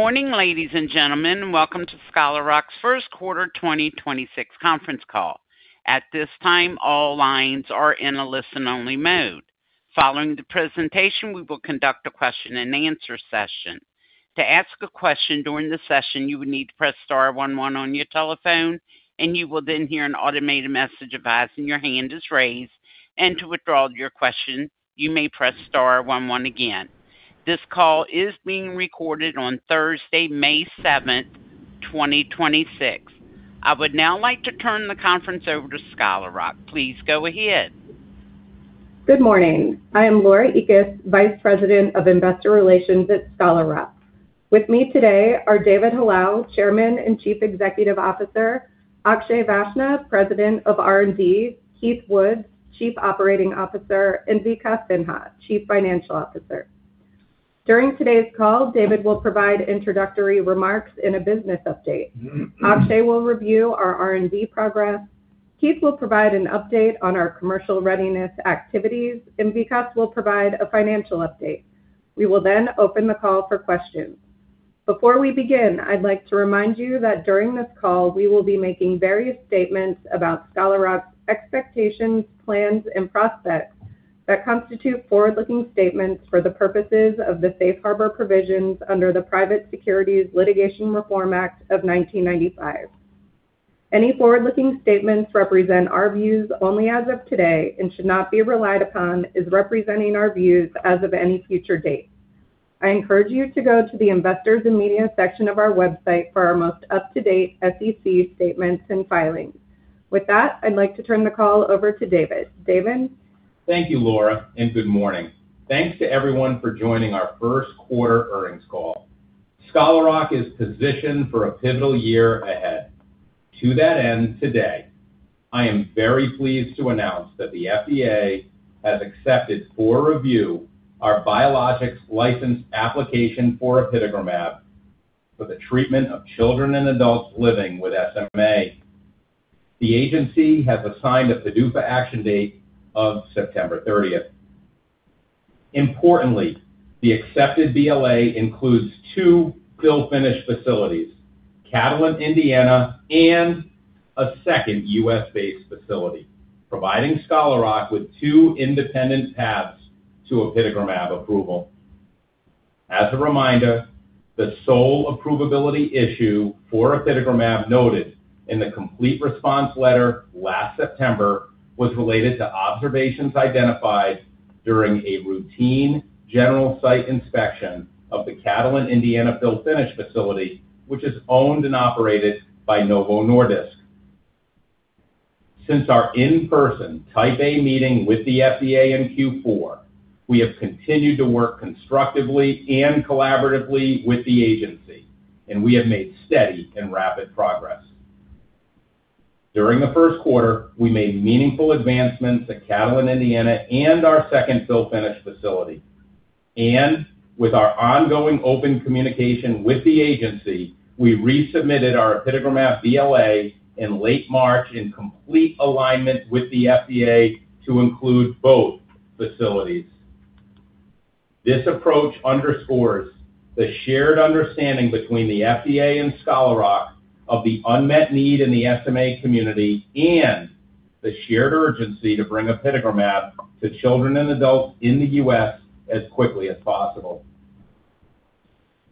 To ask a question during the session, you would need to press star one one on your telephone, and you will then hear an automated message advising your hand is raised. And to withdraw your question, you may press star one one again. This call is being recorded on Thursday 7th May, 2026, i will now turn this call to Laura Ekus, Please go ahead. Good morning. I am Laura Ekus, Vice President of Investor Relations at Scholar Rock. With me today are David Hallal, Chairman and Chief Executive Officer, Akshay Vaishnaw, President of R&D, Keith Woods, Chief Operating Officer, and Vikas Sinha, Chief Financial Officer. During today's call, David will provide introductory remarks and a business update. Akshay will review our R&D progress. Keith will provide an update on our commercial readiness activities, and Vikas will provide a financial update. We will then open the call for questions. Before we begin, I'd like to remind you that during this call, we will be making various statements about Scholar Rock's expectations, plans, and prospects that constitute forward-looking statements for the purposes of the safe harbor provisions under the Private Securities Litigation Reform Act of 1995. Any forward-looking statements represent our views only as of today and should not be relied upon as representing our views as of any future date. I encourage you to go to the Investors and Media section of our website for our most up-to-date SEC statements and filings. With that, I'd like to turn the call over to David. David? Thank you, Laura, and good morning. Thanks to everyone for joining our Q1 earnings call. Scholar Rock is positioned for a pivotal year ahead. To that end, today, I am very pleased to announce that the FDA has accepted for review our Biologics License Application for apitegromab for the treatment of children and adults living with SMA. The agency has assigned a PDUFA action date of September thirtieth. Importantly, the accepted BLA includes two fill-finish facilities, Catalent, Indiana, and a second U.S.-based facility, providing Scholar Rock with two independent paths to apitegromab approval. As a reminder, the sole approvability issue for apitegromab noted in the complete response letter last September was related to observations identified during a routine general site inspection of the Catalent, Indiana fill-finish facility, which is owned and operated by Novo Nordisk. Since our in-person Type A meeting with the FDA in Q4, we have continued to work constructively and collaboratively with the agency, and we have made steady and rapid progress. During the Q1, we made meaningful advancements at Catalent, Indiana and our second fill finish facility. With our ongoing open communication with the agency, we resubmitted our apitegromab BLA in late March in complete alignment with the FDA to include both facilities. This approach underscores the shared understanding between the FDA and Scholar Rock of the unmet need in the SMA community and the shared urgency to bring apitegromab to children and adults in the U.S. as quickly as possible.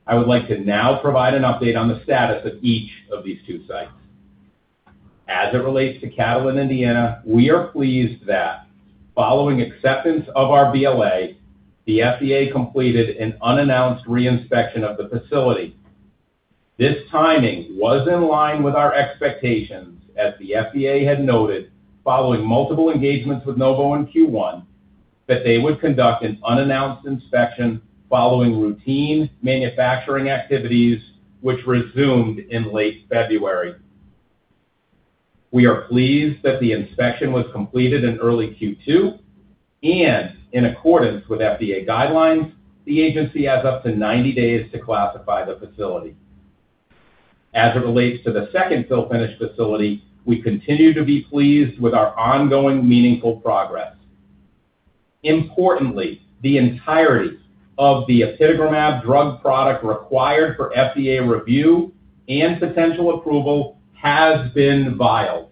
I would like to now provide an update on the status of each of these two sites. As it relates to Catalent, Indiana, we are pleased that following acceptance of our BLA, the FDA completed an unannounced re-inspection of the facility. This timing was in line with our expectations as the FDA had noted following multiple engagements with Novo in Q1 that they would conduct an unannounced inspection following routine manufacturing activities which resumed in late February. We are pleased that the inspection was completed in early Q2, and in accordance with FDA guidelines, the agency has up to 90 days to classify the facility. As it relates to the second fill finish facility, we continue to be pleased with our ongoing meaningful progress. Importantly, the entirety of the apitegromab drug product required for FDA review and potential approval has been filed.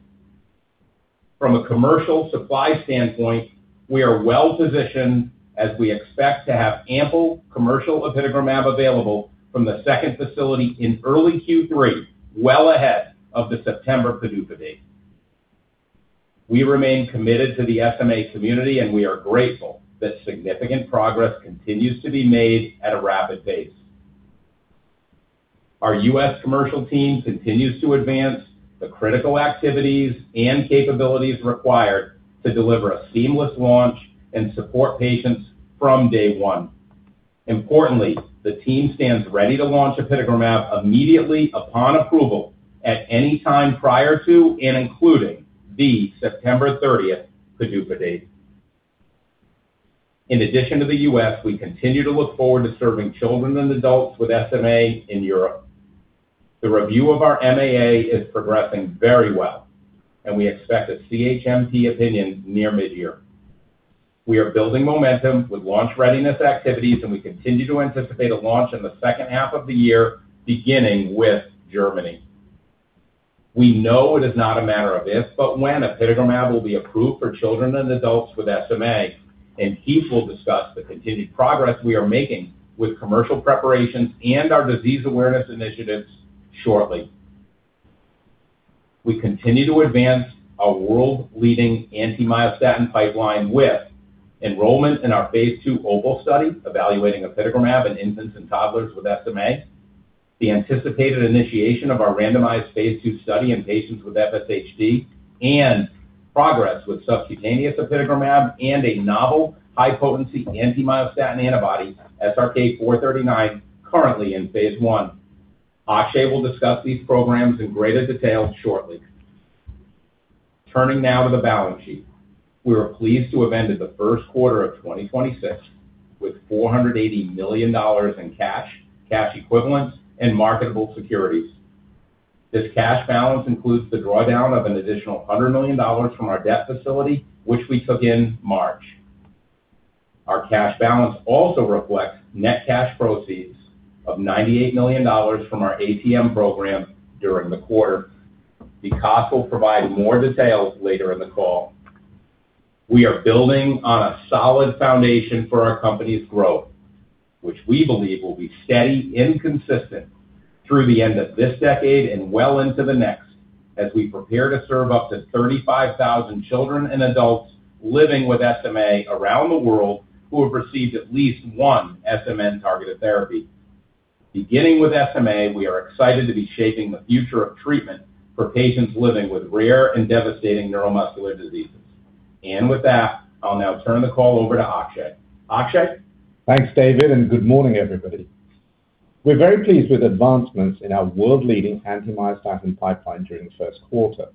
From a commercial supply standpoint, we are well-positioned as we expect to have ample commercial apitegromab available from the second facility in early Q3, well ahead of the September PDUFA date. We remain committed to the SMA community, and we are grateful that significant progress continues to be made at a rapid pace. Our U.S. commercial team continues to advance the critical activities and capabilities required to deliver a seamless launch and support patients from day one. Importantly, the team stands ready to launch apitegromab immediately upon approval at any time prior to and including the September thirtieth PDUFA date. In addition to the U.S., we continue to look forward to serving children and adults with SMA in Europe. The review of our MAA is progressing very well, and we expect a CHMP opinion near mid-year. We are building momentum with launch readiness activities. We continue to anticipate a launch in the second half of the year, beginning with Germany. We know it is not a matter of if, but when apitegromab will be approved for children and adults with SMA. Keith will discuss the continued progress we are making with commercial preparations and our disease awareness initiatives shortly. We continue to advance our world-leading anti-myostatin pipeline with enrollment in our phase II OPAL study evaluating apitegromab in infants and toddlers with SMA, the anticipated initiation of our randomized phase II study in patients with FSHD, and progress with subcutaneous apitegromab and a novel high-potency anti-myostatin antibody, SRK-439, currently in phase I. Akshay will discuss these programs in greater detail shortly. Turning now to the balance sheet. We were pleased to have ended the Q1 of 2026 with $480 million in cash equivalents, and marketable securities. This cash balance includes the drawdown of an additional $100 million from our debt facility, which we took in March. Our cash balance also reflects net cash proceeds of $98 million from our ATM program during the quarter. Vikas will provide more details later in the call. We are building on a solid foundation for our company's growth, which we believe will be steady and consistent through the end of this decade and well into the next, as we prepare to serve up to 35,000 children and adults living with SMA around the world who have received at least one SMN-targeted therapy. Beginning with SMA, we are excited to be shaping the future of treatment for patients living with rare and devastating neuromuscular diseases. With that, I'll now turn the call over to Akshay. Akshay? Thanks, David. Good morning, everybody. We're very pleased with advancements in our world-leading anti-myostatin pipeline during the Q1.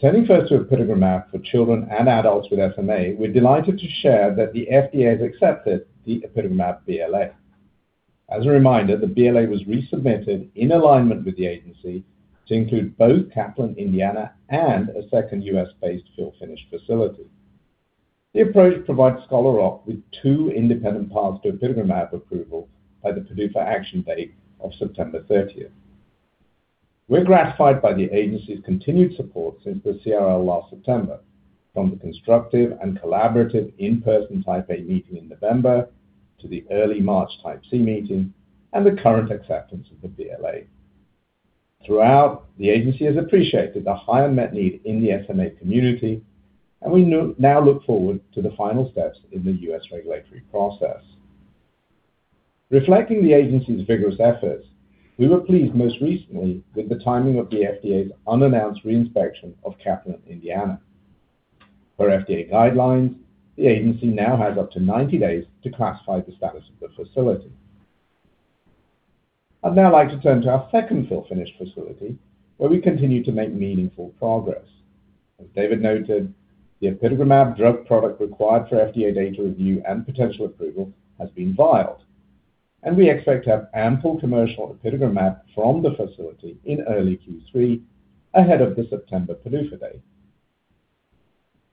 Turning first to apitegromab for children and adults with SMA, we're delighted to share that the FDA has accepted the apitegromab BLA. As a reminder, the BLA was resubmitted in alignment with the agency to include both Catalent Indiana and a second U.S.-based fill finish facility. The approach provides Scholar Rock with two independent paths to apitegromab approval by the PDUFA action date of September 30th. We're gratified by the agency's continued support since the CRL last September, from the constructive and collaborative in-person Type A meeting in November to the early March Type C meeting and the current acceptance of the BLA. Throughout, the agency has appreciated the higher unmet need in the SMA community, and we now look forward to the final steps in the U.S. regulatory process. Reflecting the agency's vigorous efforts, we were pleased most recently with the timing of the FDA's unannounced re-inspection of Catalent Indiana. Per FDA guidelines, the agency now has up to 90 days to classify the status of the facility. I'd now like to turn to our second fill finish facility, where we continue to make meaningful progress. As David noted, the apitegromab drug product required for FDA data review and potential approval has been filed, and we expect to have ample commercial apitegromab from the facility in early Q3 ahead of the September PDUFA date.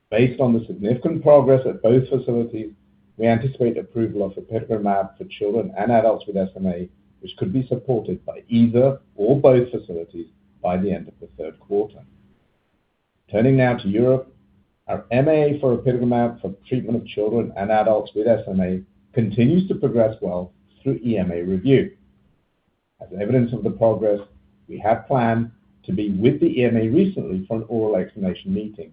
Based on the significant progress at both facilities, we anticipate approval of apitegromab for children and adults with SMA, which could be supported by either or both facilities by the end of the Q3. Turning now to Europe, our MAA for apitegromab for treatment of children and adults with SMA continues to progress well through EMA review. Evidence of the progress, we have planned to be with the EMA recently for an oral explanation meeting.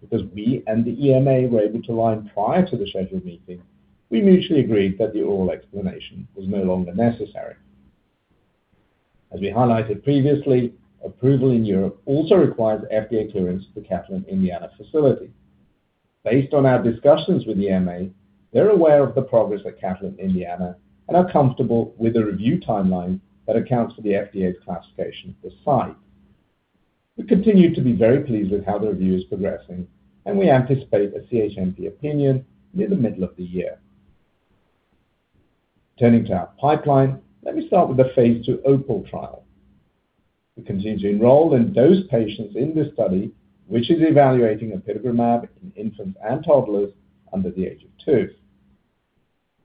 Because we and the EMA were able to align prior to the scheduled meeting, we mutually agreed that the oral explanation was no longer necessary. We highlighted previously, approval in Europe also requires FDA clearance of the Catalent Indiana facility. Based on our discussions with the EMA, they're aware of the progress at Catalent Indiana and are comfortable with the review timeline that accounts for the FDA's classification of the site. We continue to be very pleased with how the review is progressing, and we anticipate a CHMP opinion near the middle of the year. Turning to our pipeline, let me start with the phase II OPAL trial. We continue to enroll and dose patients in this study, which is evaluating apitegromab in infants and toddlers under the age of 2.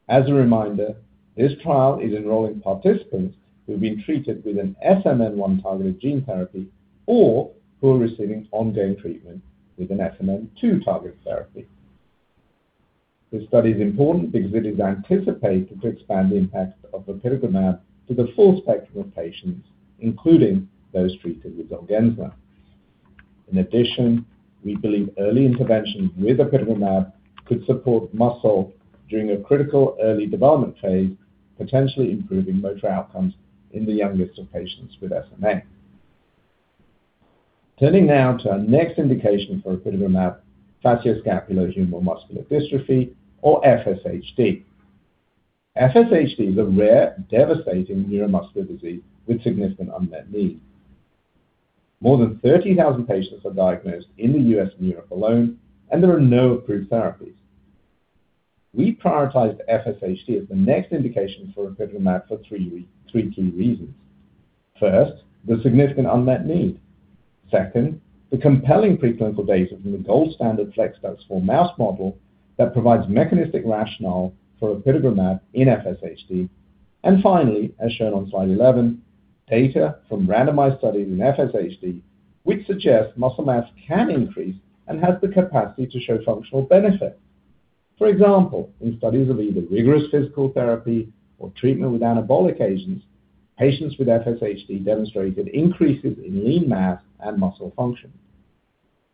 As a reminder, this trial is enrolling participants who have been treated with an SMN1 targeted gene therapy or who are receiving ongoing treatment with an SMN2-targeted therapy. This study is important because it is anticipated to expand the impact of apitegromab to the full spectrum of patients, including those treated with ZOLGENSMA. In addition, we believe early intervention with apitegromab could support muscle during a critical early development phase, potentially improving motor outcomes in the youngest of patients with SMA. Turning now to our next indication for apitegromab, Facioscapulohumeral muscular dystrophy, or FSHD. FSHD is a rare, devastating neuromuscular disease with significant unmet need. More than 30,000 patients are diagnosed in the U.S. and Europe alone, and there are no approved therapies. We prioritize FSHD as the next indication for apitegromab for 3 key reasons. First, the significant unmet need. Second, the compelling preclinical data from the gold standard FLExDUX4 mouse model that provides mechanistic rationale for apitegromab in FSHD. Finally, as shown on slide 11, data from randomized studies in FSHD which suggest muscle mass can increase and has the capacity to show functional benefit. For example, in studies of either rigorous physical therapy or treatment with anabolic agents, patients with FSHD demonstrated increases in lean mass and muscle function.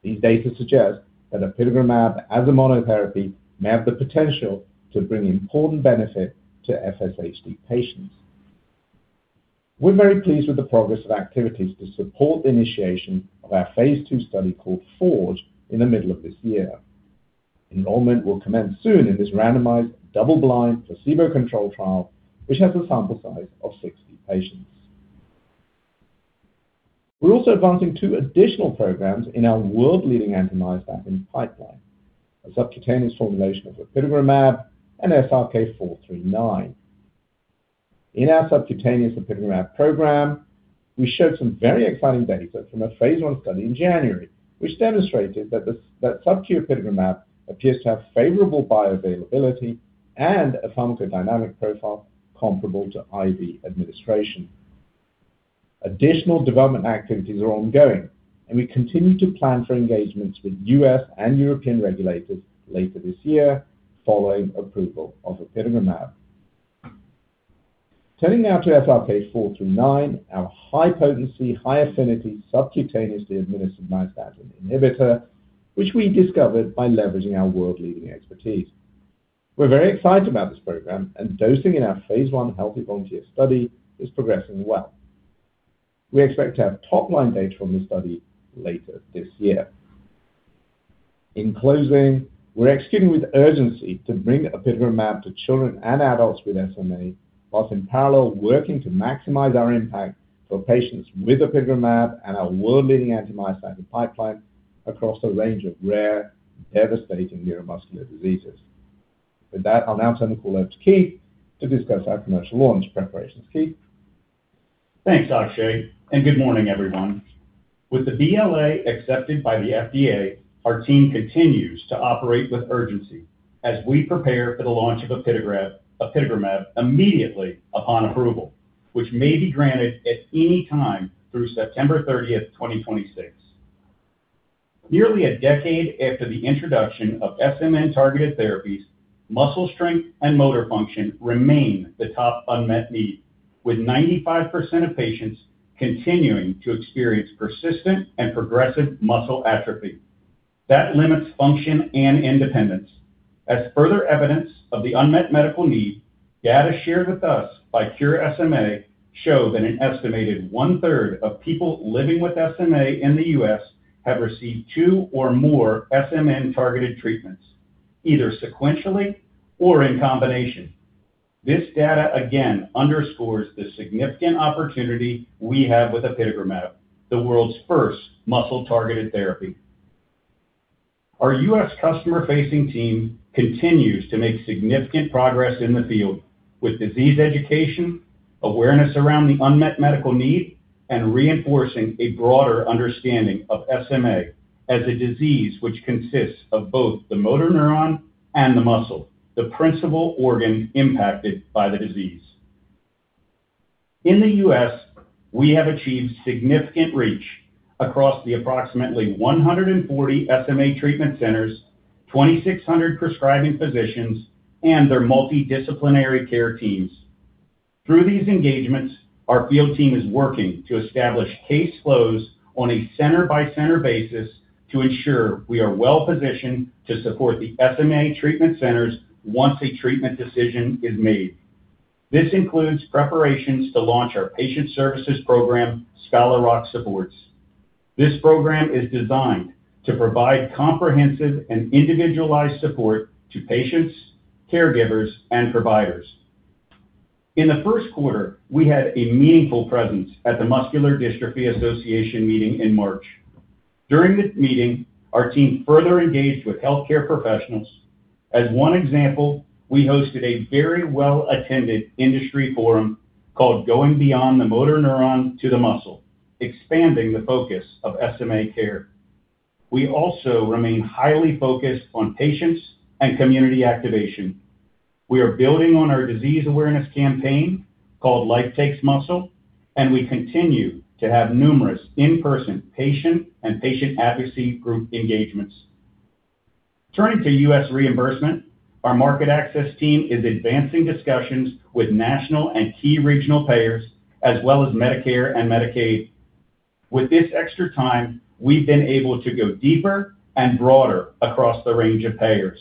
These data suggest that apitegromab as a monotherapy may have the potential to bring important benefit to FSHD patients. We're very pleased with the progress of activities to support the initiation of our phase II study called FORGE in the middle of this year. Enrollment will commence soon in this randomized double-blind placebo-controlled trial, which has a sample size of 60 patients. We're also advancing two additional programs in our world-leading anti-myostatin pipeline: a subcutaneous formulation of apitegromab and SRK-439. In our subcutaneous apitegromab program, we showed some very exciting data from a phase I study in January, which demonstrated that subcu apitegromab appears to have favorable bioavailability and a pharmacodynamic profile comparable to IV administration. Additional development activities are ongoing, and we continue to plan for engagements with U.S. and European regulators later this year following approval of apitegromab. Turning now to SRK-429, our high potency, high affinity subcutaneously administered myostatin inhibitor, which we discovered by leveraging our world-leading expertise. We're very excited about this program and dosing in our phase I healthy volunteer study is progressing well. We expect to have top-line data from this study later this year. In closing, we're executing with urgency to bring apitegromab to children and adults with SMA, whilst in parallel working to maximize our impact for patients with apitegromab and our world-leading anti-myostatin pipeline across a range of rare and devastating neuromuscular diseases. With that, I'll now turn the call over to Keith to discuss our commercial launch preparations. Keith? Thanks, Akshay. Good morning, everyone. With the BLA accepted by the FDA, our team continues to operate with urgency as we prepare for the launch of apitegromab immediately upon approval, which may be granted at any time through September 30, 2026. Nearly a decade after the introduction of SMN-targeted therapies, muscle strength and motor function remain the top unmet need, with 95% of patients continuing to experience persistent and progressive muscle atrophy. That limits function and independence. Further evidence of the unmet medical need, data shared with us by Cure SMA show that an estimated one-third of people living with SMA in the U.S. have received two or more SMN-targeted treatments, either sequentially or in combination. This data again underscores the significant opportunity we have with apitegromab, the world's first muscle-targeted therapy. Our U.S. customer-facing team continues to make significant progress in the field with disease education, awareness around the unmet medical need, and reinforcing a broader understanding of SMA as a disease which consists of both the motor neuron and the muscle, the principal organ impacted by the disease. In the U.S., we have achieved significant reach across the approximately 140 SMA treatment centers, 2,600 prescribing physicians, and their multidisciplinary care teams. Through these engagements, our field team is working to establish case flows on a center-by-center basis to ensure we are well-positioned to support the SMA treatment centers once a treatment decision is made. This includes preparations to launch our patient services program, Scholar Rock Supports. This program is designed to provide comprehensive and individualized support to patients, caregivers, and providers. In the Q1, we had a meaningful presence at the Muscular Dystrophy Association meeting in March. During this meeting, our team further engaged with healthcare professionals. As one example, we hosted a very well-attended industry forum called Going Beyond the Motor Neuron to the Muscle: Expanding the Focus of SMA Care. We also remain highly focused on patients and community activation. We are building on our disease awareness campaign called Life Takes Muscle, we continue to have numerous in-person patient and patient advocacy group engagements. Turning to U.S. reimbursement, our market access team is advancing discussions with national and key regional payers, as well as Medicare and Medicaid. With this extra time, we've been able to go deeper and broader across the range of payers.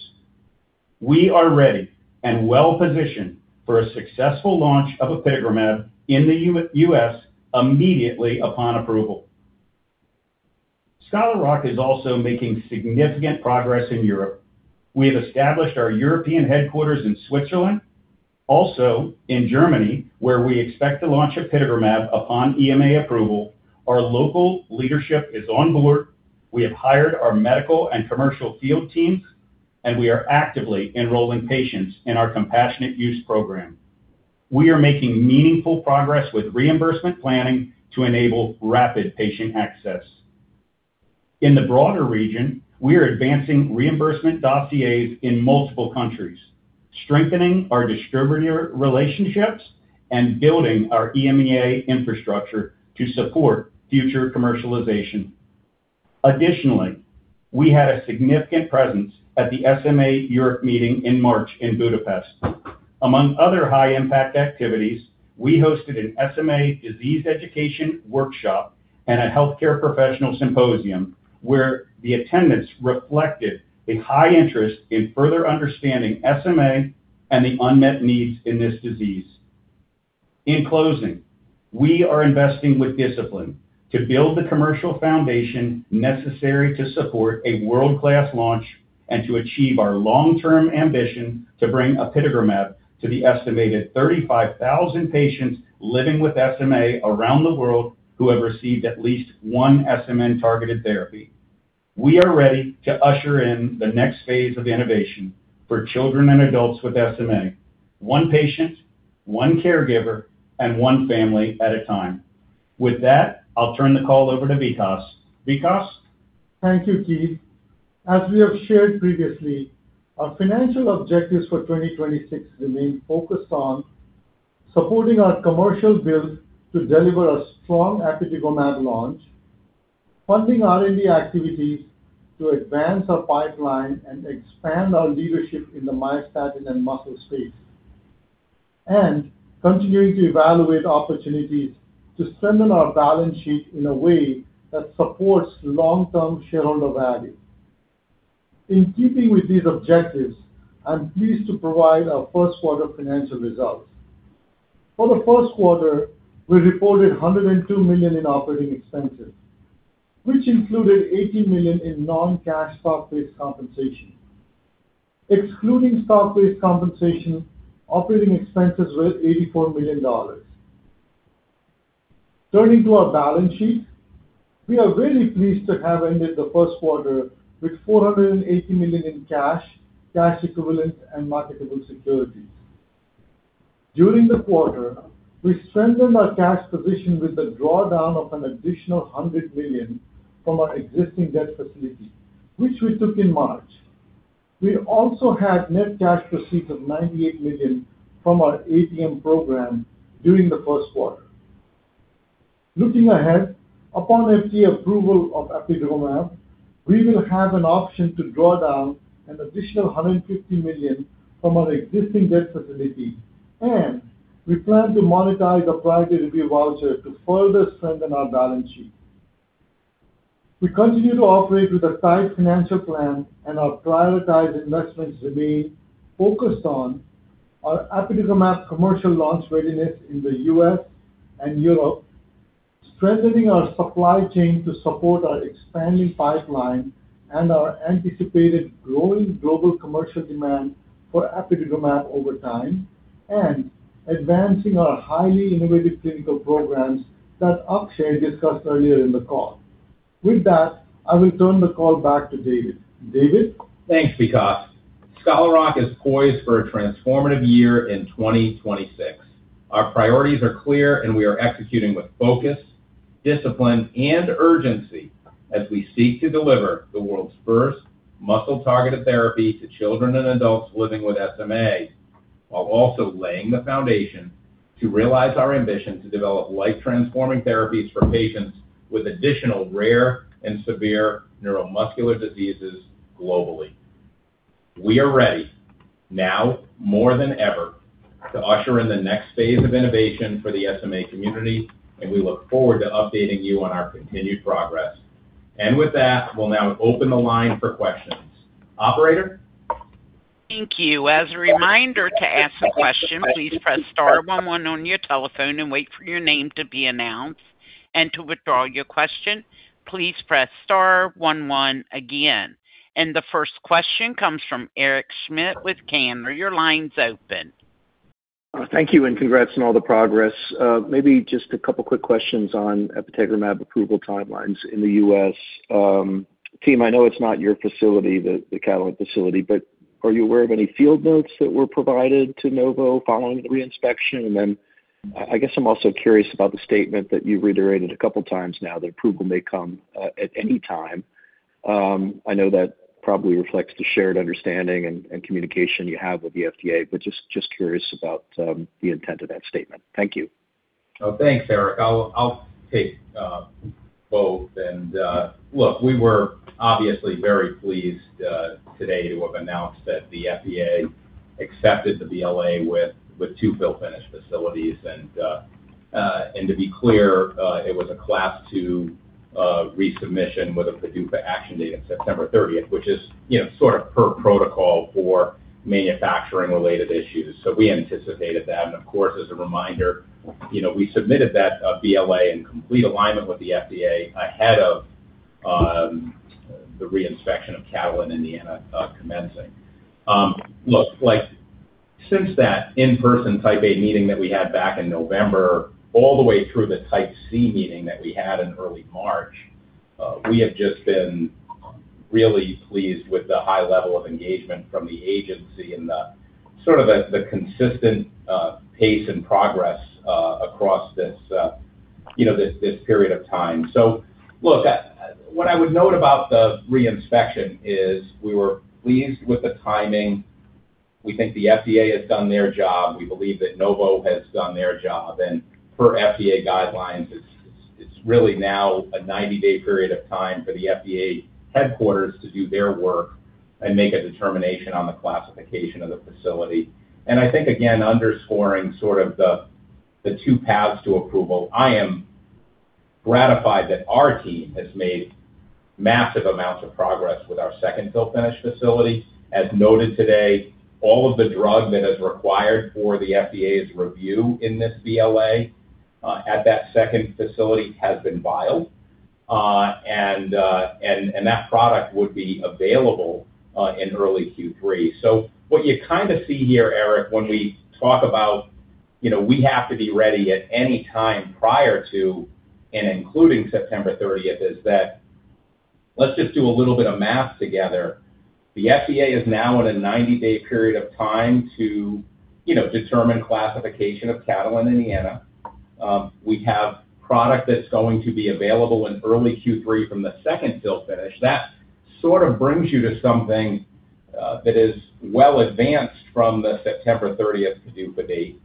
We are ready and well-positioned for a successful launch of apitegromab in the U.S. immediately upon approval. Scholar Rock is also making significant progress in Europe. We have established our European headquarters in Switzerland. Also, in Germany, where we expect to launch apitegromab upon EMA approval, our local leadership is on board. We have hired our medical and commercial field teams, and we are actively enrolling patients in our compassionate use program. We are making meaningful progress with reimbursement planning to enable rapid patient access. In the broader region, we are advancing reimbursement dossiers in multiple countries, strengthening our distributor relationships and building our EMEA infrastructure to support future commercialization. Additionally, we had a significant presence at the SMA Europe meeting in March in Budapest. Among other high-impact activities, we hosted an SMA disease education workshop and a healthcare professional symposium where the attendance reflected a high interest in further understanding SMA and the unmet needs in this disease. In closing, we are investing with discipline to build the commercial foundation necessary to support a world-class launch and to achieve our long-term ambition to bring apitegromab to the estimated 35,000 patients living with SMA around the world who have received at least one SMN-targeted therapy. We are ready to usher in the next phase of innovation for children and adults with SMA, one patient, one caregiver, and one family at a time. With that, I'll turn the call over to Vikas. Vikas? Thank you, Keith. As we have shared previously, our financial objectives for 2026 remain focused on supporting our commercial build to deliver a strong apitegromab launch, funding R&D activities to advance our pipeline and expand our leadership in the myostatin and muscle space, and continuing to evaluate opportunities to strengthen our balance sheet in a way that supports long-term shareholder value. In keeping with these objectives, I'm pleased to provide our Q1 financial results. For the Q1, we reported $102 million in operating expenses, which included $80 million in non-cash stock-based compensation. Excluding stock-based compensation, operating expenses were $84 million. Turning to our balance sheet, we are very pleased to have ended the Q1 with $480 million in cash equivalents, and marketable securities. During the quarter, we strengthened our cash position with the drawdown of an additional $100 million from our existing debt facility, which we took in March. We also had net cash proceeds of $98 million from our ATM program during the Q1. Looking ahead, upon FDA approval of apitegromab, we will have an option to draw down an additional $150 million from our existing debt facility, and we plan to monetize a priority review voucher to further strengthen our balance sheet. We continue to operate with a tight financial plan, and our prioritized investments remain focused on our apitegromab commercial launch readiness in the U.S. and Europe, strengthening our supply chain to support our expanding pipeline and our anticipated growing global commercial demand for apitegromab over time, and advancing our highly innovative clinical programs that Akshay discussed earlier in the call. With that, I will turn the call back to David. David? Thanks, Vikas. Scholar Rock is poised for a transformative year in 2026. Our priorities are clear, and we are executing with focus, discipline, and urgency as we seek to deliver the world's first muscle-targeted therapy to children and adults living with SMA, while also laying the foundation to realize our ambition to develop life-transforming therapies for patients with additional rare and severe neuromuscular diseases globally. We are ready, now more than ever, to usher in the next phase of innovation for the SMA community, and we look forward to updating you on our continued progress. With that, we'll now open the line for questions. Operator? Thank you. As a reminder, to ask a question, please press star one one on your telephone and wait for your name to be announced. To withdraw your question, please press star one one again. The first question comes from Eric Schmidt with Cantor Fitzgerald. Your line's open. Thank you. Congrats on all the progress. Maybe just a couple quick questions on apitegromab approval timelines in the U.S. Team, I know it's not your facility, the Catalent facility, but are you aware of any field notes that were provided to Novo following the re-inspection? I guess I'm also curious about the statement that you reiterated a couple times now that approval may come at any time. I know that probably reflects the shared understanding and communication you have with the FDA, but just curious about the intent of that statement. Thank you. Oh, thanks, Eric. I'll take both. Look, we were obviously very pleased today to have announced that the FDA accepted the BLA with 2 fill finish facilities. To be clear, it was a Class II resubmission with a PDUFA action date of September 30th, which is, you know, sort of per protocol for manufacturing-related issues. We anticipated that. Of course, as a reminder, you know, we submitted that BLA in complete alignment with the FDA. The reinspection of Catalent, Indiana, commencing. Look, like since that in-person Type A meeting that we had back in November, all the way through the Type C meeting that we had in early March, we have just been really pleased with the high level of engagement from the agency and the sort of the consistent pace and progress across this, you know, this period of time. Look, what I would note about the reinspection is we were pleased with the timing. We think the FDA has done their job. We believe that Novo has done their job. Per FDA guidelines, it's really now a 90-day period of time for the FDA headquarters to do their work and make a determination on the classification of the facility. I think, again, underscoring sort of the two paths to approval, I am gratified that our team has made massive amounts of progress with our second fill finish facility. As noted today, all of the drug that is required for the FDA's review in this BLA, at that second facility has been filed, and that product would be available in early Q3. What you kind of see here, Eric, when we talk about, you know, we have to be ready at any time prior to and including September 30th, is that let's just do a little bit of math together. The FDA is now in a 90-day period of time to, you know, determine classification of Catalent, Indiana. We have product that's going to be available in early Q3 from the second fill finish. That sort of brings you to something that is well advanced from the September 30th PDUFA date.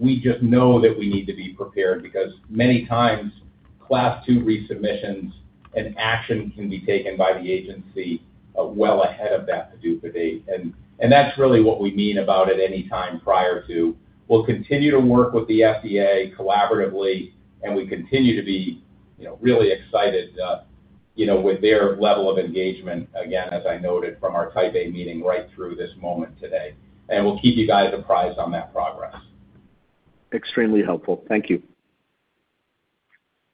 We just know that we need to be prepared because many times Class 2 resubmissions and action can be taken by the agency well ahead of that PDUFA date. That's really what we mean about at any time prior to. We'll continue to work with the FDA collaboratively, and we continue to be, you know, really excited, you know, with their level of engagement, again, as I noted from our Type A meeting right through this moment today. We'll keep you guys apprised on that progress. Extremely helpful. Thank you.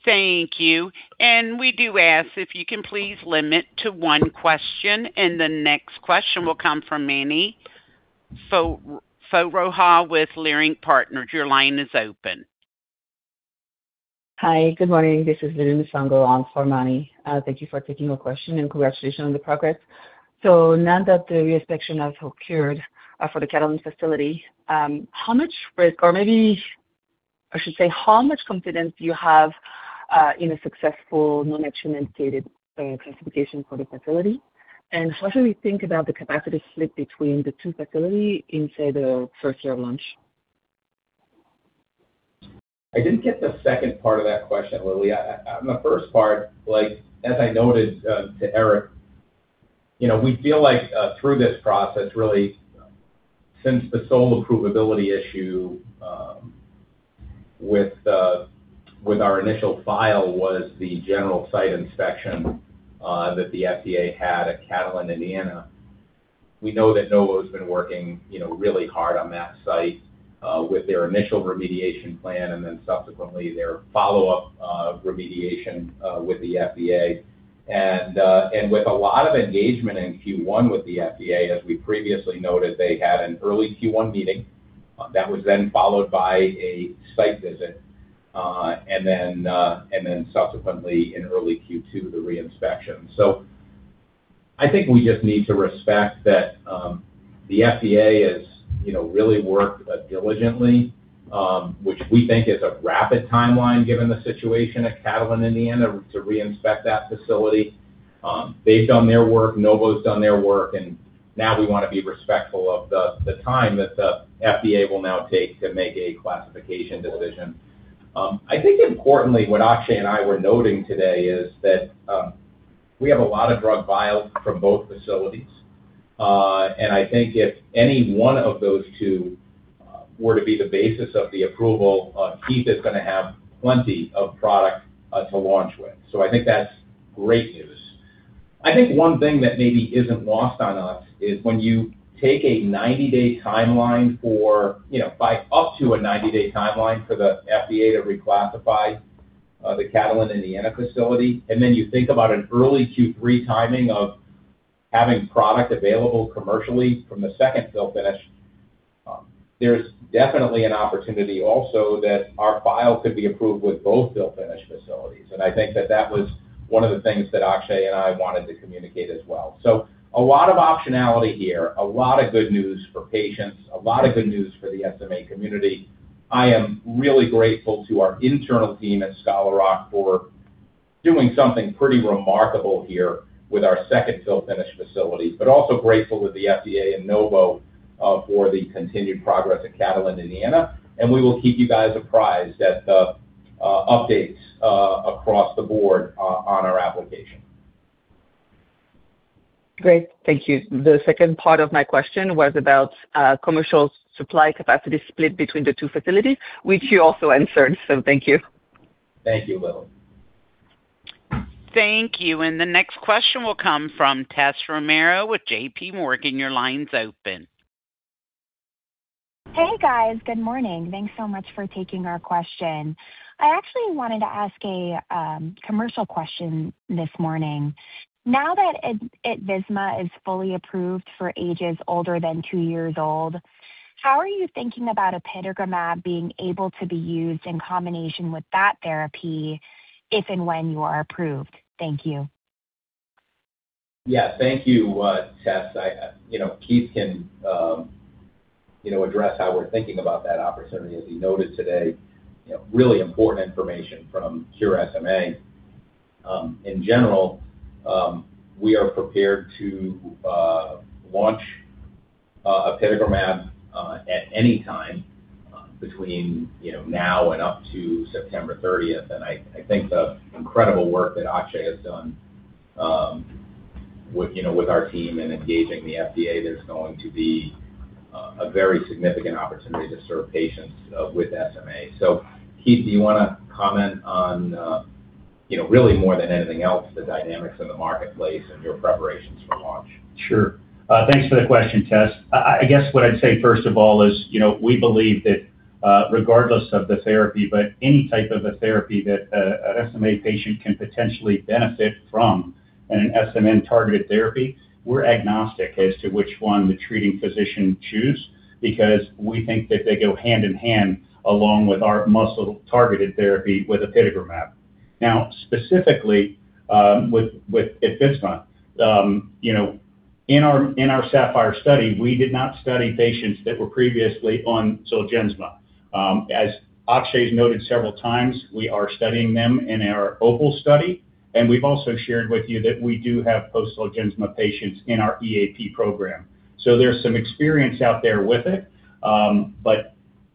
Thank you. We do ask if you can please limit to one question, and the next question will come from Mani Foroohar with Leerink Partners. Your line is open. Hi. Good morning. This is Lili Nsongo for Manny. Thank you for taking the question, and congratulations on the progress. Now that the reinspection has occurred for the Catalent facility, how much risk or maybe I should say how much confidence do you have in a successful non-MTR indicated classification for the facility? How do we think about the capacity split between the two facility inside the first year launch? I didn't get the second part of that question, Lili. On the first part, like as I noted, to Eric, you know, we feel like through this process, really since the sole approvability issue, with with our initial file was the general site inspection, that the FDA had at Catalent, Indiana. We know that Novo's been working, you know, really hard on that site, with their initial remediation plan and then subsequently their follow-up, remediation, with the FDA. With a lot of engagement in Q1 with the FDA, as we previously noted, they had an early Q1 meeting, that was then followed by a site visit, and then, and then subsequently in early Q2, the reinspection. I think we just need to respect that the FDA has really worked diligently, which we think is a rapid timeline given the situation at Catalent, Indiana, to reinspect that facility. They've done their work, Novo's done their work, and now we want to be respectful of the time that the FDA will now take to make a classification decision. I think importantly, what Akshay and I were noting today is that we have a lot of drug vials from both facilities, and I think if any one of those two were to be the basis of the approval, Keith is gonna have plenty of product to launch with. I think that's great news. I think one thing that maybe isn't lost on us is when you take a 90-day timeline for, you know, by up to a 90-day timeline for the FDA to reclassify the Catalent, Indiana facility, then you think about an early Q3 timing of having product available commercially from the second fill finish, there's definitely an opportunity also that our file could be approved with both fill finish facilities. I think that that was one of the things that Akshay and I wanted to communicate as well. A lot of optionality here, a lot of good news for patients, a lot of good news for the SMA community. I am really grateful to our internal team at Scholar Rock for doing something pretty remarkable here with our second fill finish facility, but also grateful with the FDA and Novo for the continued progress at Catalent, Indiana. We will keep you guys apprised at the updates across the board on our application. Great. Thank you. The second part of my question was about commercial supply capacity split between the two facilities, which you also answered. Thank you. Thank you, Lili. Thank you. The next question will come from Tess Romero with JPMorgan. Your line's open. Hey, guys. Good morning. Thanks so much for taking our question. I actually wanted to ask a commercial question this morning. Now that Evrysdi is fully approved for ages older than two years old, how are you thinking about apitegromab being able to be used in combination with that therapy if and when you are approved? Thank you. Yeah. Thank you, Tess. You know, Keith can, you know, address how we're thinking about that opportunity as he noted today, you know, really important information from Cure SMA. In general, we are prepared to launch apitegromab at any time between, you know, now and up to September 30th. I think the incredible work that Akshay has done, with, you know, with our team in engaging the FDA, there's going to be a very significant opportunity to serve patients with SMA. Keith, do you wanna comment on, you know, really more than anything else, the dynamics in the marketplace and your preparations for launch? Sure. Thanks for the question, Tess. I guess what I'd say first of all is, you know, we believe that regardless of the therapy, but any type of a therapy that an SMA patient can potentially benefit from in an SMN-targeted therapy, we're agnostic as to which one the treating physician choose because we think that they go hand in hand along with our muscle-targeted therapy with apitegromab. Now, specifically, with Evrysdi, you know, in our SAPPHIRE study, we did not study patients that were previously on ZOLGENSMA. As Akshay's noted several times, we are studying them in our OPAL study, and we've also shared with you that we do have post-ZOLGENSMA patients in our EAP program. There's some experience out there with it.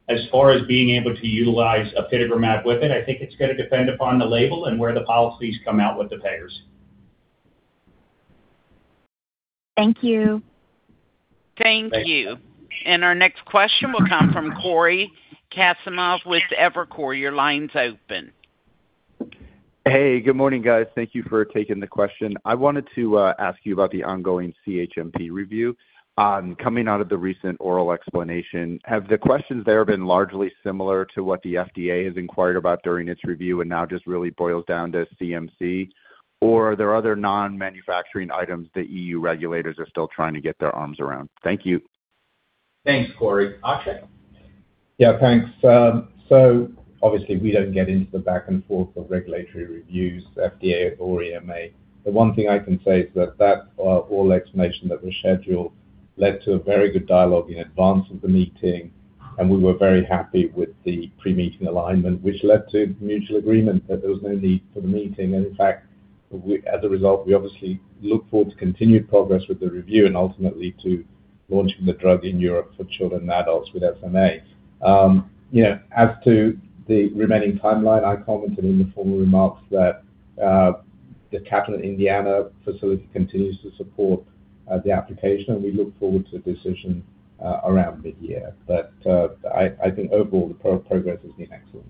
As far as being able to utilize apitegromab with it, I think it's gonna depend upon the label and where the policies come out with the payers. Thank you. Thank you. Thank you. Our next question will come from Cory Kasimov with Evercore. Your line's open. Hey, good morning, guys. Thank you for taking the question. I wanted to ask you about the ongoing CHMP review. Coming out of the recent oral explanation, have the questions there been largely similar to what the FDA has inquired about during its review and now just really boils down to CMC? Or are there other non-manufacturing items the EU regulators are still trying to get their arms around? Thank you. Thanks, Cory. Akshay? Yeah, thanks. Obviously we don't get into the back and forth of regulatory reviews, FDA or EMA. The one thing I can say is that that, oral explanation that was scheduled led to a very good dialogue in advance of the meeting, and we were very happy with the pre-meeting alignment, which led to mutual agreement that there was no need for the meeting. In fact, as a result, we obviously look forward to continued progress with the review and ultimately to launching the drug in Europe for children and adults with SMA. You know, as to the remaining timeline, I commented in the formal remarks that, the Catalent Indiana facility continues to support, the application, and we look forward to the decision, around mid-year. I think overall the progress has been excellent.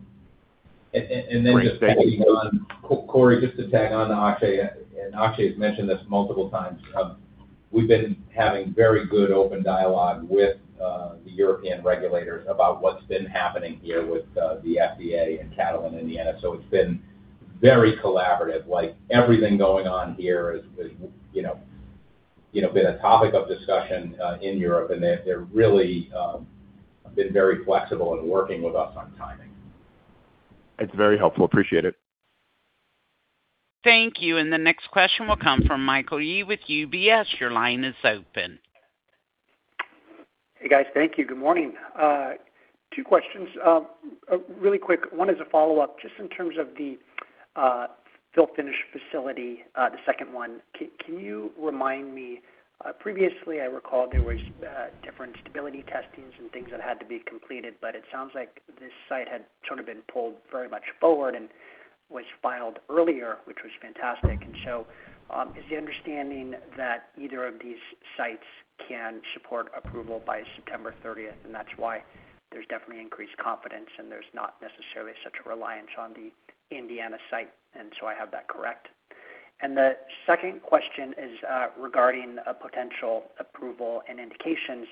And, and then just tagging on, Great. Thank you. Cory, just to tag on to Akshay, and Akshay's mentioned this multiple times. We've been having very good open dialogue with the European regulators about what's been happening here with the FDA and Catalent Indiana. It's been very collaborative. Like, everything going on here has, you know, been a topic of discussion in Europe, and they're really been very flexible in working with us on timing. It's very helpful. Appreciate it. Thank you. The next question will come from Michael Yee with UBS. Your line is open. Hey, guys. Thank you. Good morning. two questions. Really quick, one is a follow-up just in terms of the fill-finish facility, the second one. Can you remind me, previously I recall there was different stability testings and things that had to be completed, but it sounds like this site had sort of been pulled very much forward and was filed earlier, which was fantastic. Is the understanding that either of these sites can support approval by September 30th, and that's why there's definitely increased confidence, there's not necessarily such a reliance on the Indiana site, I have that correct? The second question is regarding a potential approval and indications.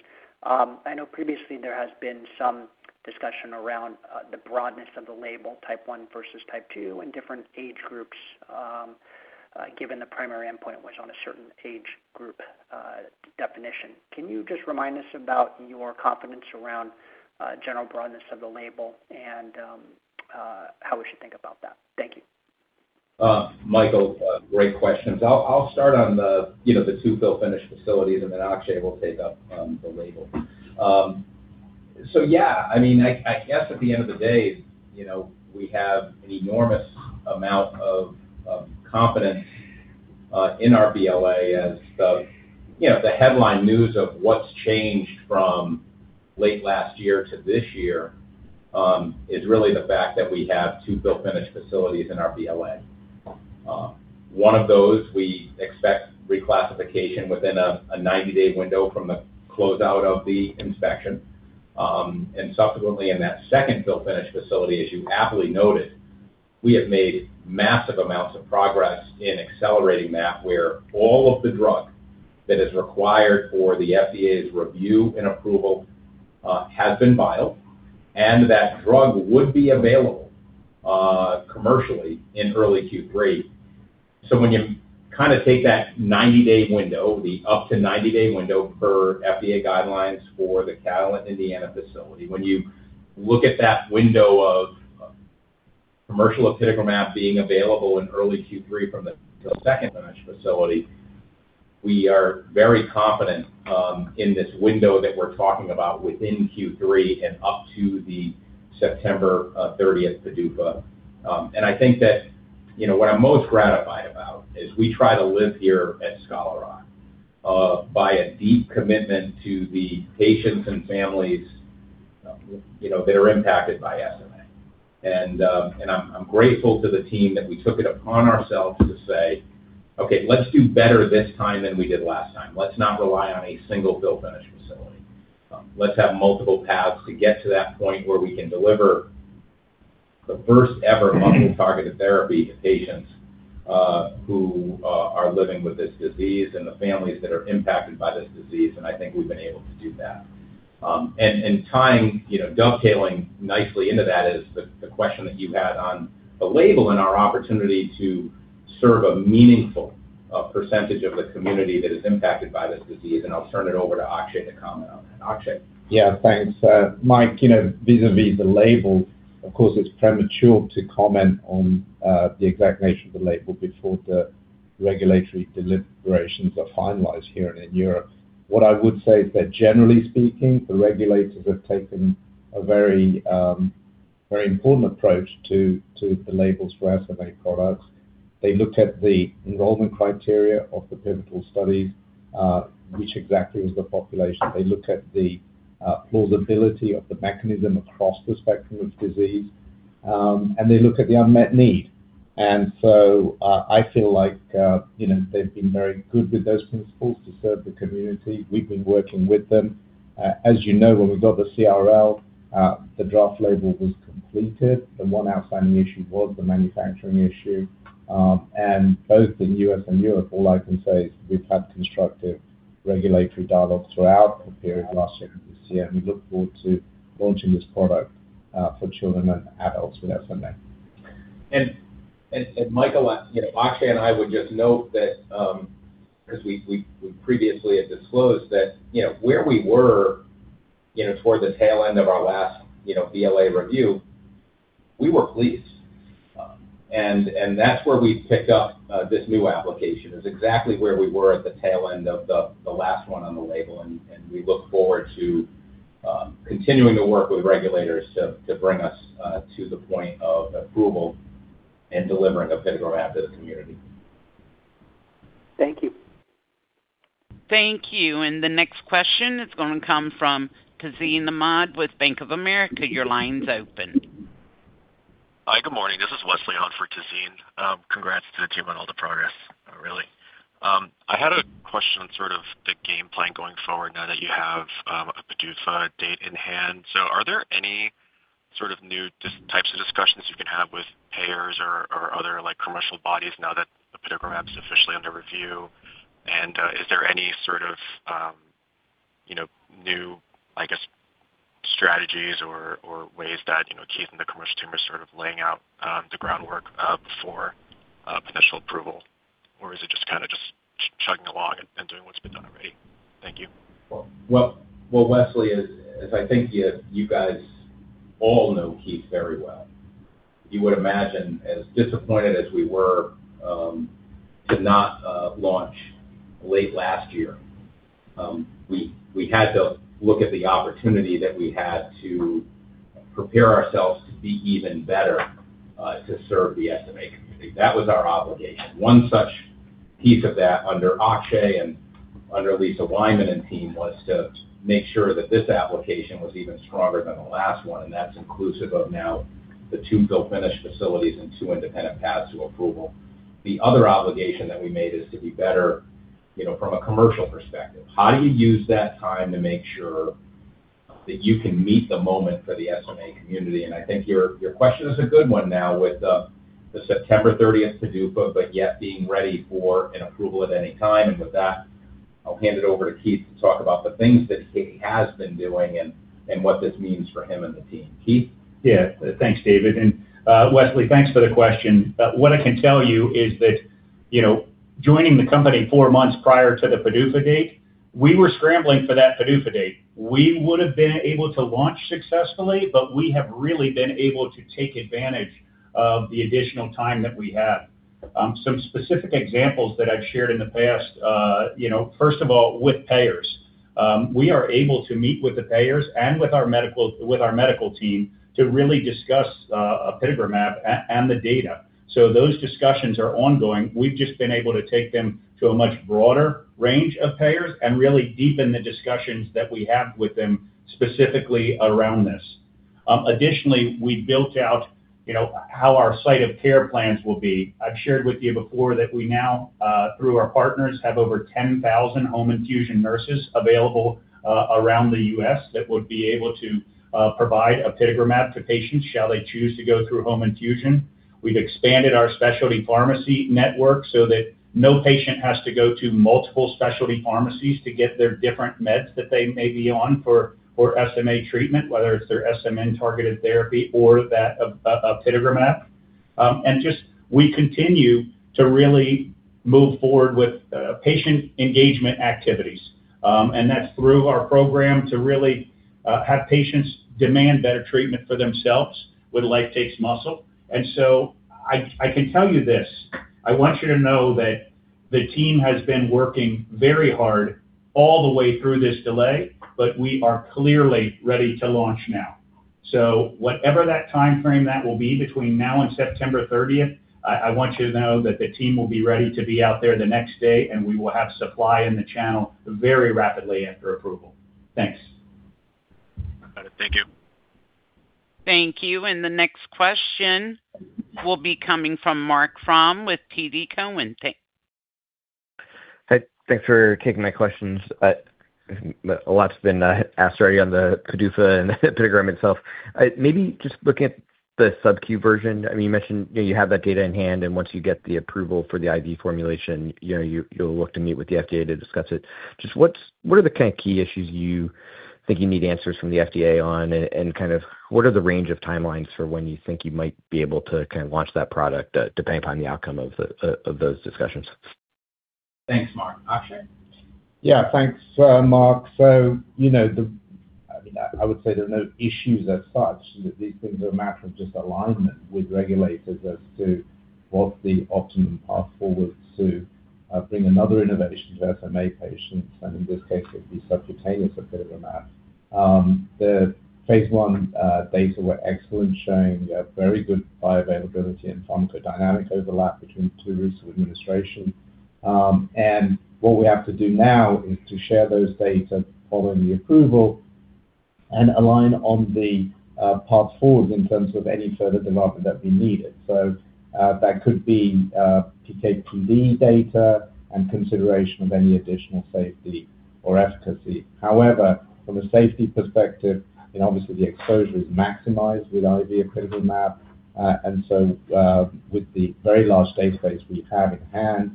I know previously there has been some discussion around the broadness of the label, type 1 versus type 2 and different age groups, given the primary endpoint was on a certain age group definition. Can you just remind us about your confidence around general broadness of the label and how we should think about that? Thank you. Michael, great questions. I'll start on the, you know, the two fill finish facilities, and then Akshay will take up the label. Yeah, I mean, I guess at the end of the day, you know, we have an enormous amount of confidence in our BLA as the You know, the headline news of what's changed from late last year to this year is really the fact that we have two fill finish facilities in our BLA. One of those we expect reclassification within a 90-day window from the closeout of the inspection. Subsequently in that second fill finish facility, as you aptly noted. We have made massive amounts of progress in accelerating that, where all of the drug that is required for the FDA's review and approval has been filed, and that drug would be available commercially in early Q3. When you kind of take that 90-day window, the up to 90-day window per FDA guidelines for the Catalent Indiana facility, when you look at that window of commercial apitegromab being available in early Q3 from the second finish facility, we are very confident in this window that we're talking about within Q3 and up to the September 30th PDUFA. I think that, you know, what I'm most gratified about is we try to live here at Scholar Rock by a deep commitment to the patients and families, you know, that are impacted by SMA. I'm grateful to the team that we took it upon ourselves to say, "Okay, let's do better this time than we did last time. Let's not rely on a single build/finish facility. Let's have multiple paths to get to that point where we can deliver the first-ever muscle-targeted therapy to patients, who are living with this disease and the families that are impacted by this disease," and I think we've been able to do that. Tying, you know, dovetailing nicely into that is the question that you had on the label and our opportunity to serve a meaningful percentage of the community that is impacted by this disease, and I'll turn it over to Akshay to comment on that. Akshay? Yeah, thanks. Michael Yee, you know, vis-à-vis the label, of course, it's premature to comment on the exact nature of the label before the regulatory deliberations are finalized here and in Europe. What I would say is that generally speaking, the regulators have taken a very important approach to the labels for SMA products. They looked at the enrollment criteria of the pivotal studies, which exactly is the population. They looked at the plausibility of the mechanism across the spectrum of disease, and they looked at the unmet need. I feel like, you know, they've been very good with those principles to serve the community. We've been working with them. As you know, when we got the CRL, the draft label was completed. The one outstanding issue was the manufacturing issue. Both in the U.S. and Europe, all I can say is we've had constructive regulatory dialogues throughout the period last year, this year, and we look forward to launching this product for children and adults with SMA. Michael, you know, Akshay, and I would just note that, as we previously had disclosed that, you know, where we were, you know, toward the tail end of our last, you know, BLA review, we were pleased. That's where we picked up this new application, is exactly where we were at the tail end of the last one on the label, and we look forward to continuing to work with regulators to bring us to the point of approval and delivering apitegromab to the community. Thank you. Thank you. The next question is going to come from Tazeen Ahmad with Bank of America. Your line's open. Hi, good morning. This is Wesley on for Tazeen. Congrats to the team on all the progress. I had a question on sort of the game plan going forward now that you have a PDUFA date in hand. Are there any sort of new types of discussions you can have with payers or other, like, commercial bodies now that apitegromab's officially under review? Is there any sort of, you know, new, I guess, strategies or ways that, you know, Keith and the commercial team are sort of laying out the groundwork for potential approval? Or is it just kinda chugging along and doing what's been done already? Thank you. Well, Wesley, as I think you guys all know Keith very well, you would imagine, as disappointed as we were, to not launch late last year, we had to look at the opportunity that we had to prepare ourselves to be even better, to serve the SMA community. That was our obligation. One such piece of that under Akshay and under Lisa Wyman and team was to make sure that this application was even stronger than the last one, and that's inclusive of now the two build/finish facilities and two independent paths to approval. The other obligation that we made is to be better, you know, from a commercial perspective. How do you use that time to make sure that you can meet the moment for the SMA community? I think your question is a good one now with the September 30th PDUFA, but yet being ready for an approval at any time. With that, I'll hand it over to Keith to talk about the things that he has been doing and what this means for him and the team. Keith? Yeah. Thanks, David. Wesley, thanks for the question. What I can tell you is that, you know, joining the company 4 months prior to the PDUFA date, we were scrambling for that PDUFA date. We would've been able to launch successfully. We have really been able to take advantage of the additional time that we had. Some specific examples that I've shared in the past, you know, first of all, with payers. We are able to meet with the payers and with our medical team to really discuss apitegromab and the data. Those discussions are ongoing. We've just been able to take them to a much broader range of payers and really deepen the discussions that we have with them specifically around this. Additionally, we built out, you know, how our site of care plans will be. I've shared with you before that we now, through our partners, have over 10,000 home infusion nurses available around the U.S. that would be able to provide apitegromab to patients shall they choose to go through home infusion. We've expanded our specialty pharmacy network so that no patient has to go to multiple specialty pharmacies to get their different meds that they may be on for SMA treatment, whether it's their SMN targeted therapy or that apitegromab. Just we continue to really move forward with patient engagement activities. That's through our program to really have patients demand better treatment for themselves with Life Takes Muscle. I can tell you this, I want you to know that the team has been working very hard all the way through this delay. We are clearly ready to launch now. Whatever that timeframe that will be between now and September 30th, I want you to know that the team will be ready to be out there the next day, and we will have supply in the channel very rapidly after approval. Thanks. Got it. Thank you. Thank you. The next question will be coming from Marc Frahm with TD Cowen. Thanks. Hey, thanks for taking my questions. A lot's been asked already on the PDUFA and apitegromab itself. Maybe just looking at the sub-Q version. I mean, you mentioned, you know, you have that data in hand, and once you get the approval for the IV formulation, you know, you'll look to meet with the FDA to discuss it. Just what are the kind of key issues you think you need answers from the FDA on? Kind of what are the range of timelines for when you think you might be able to kind of launch that product, depending upon the outcome of those discussions? Thanks, Marc. Akshay? Yeah, thanks, Marc. You know, I mean, I would say there are no issues as such. These things are a matter of just alignment with regulators as to what the optimum path forward to bring another innovation to SMA patients, and in this case, it would be subcutaneous apitegromab. The phase I data were excellent, showing they have very good bioavailability and pharmacodynamic overlap between the two routes of administration. What we have to do now is to share those data following the approval and align on the path forward in terms of any further development that we needed. That could be PK/PD data and consideration of any additional safety or efficacy. However, from a safety perspective, obviously the exposure is maximized with IV apitegromab. With the very large database we have in hand,